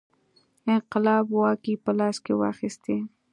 د انقلاب واګې په لاس کې واخیستې.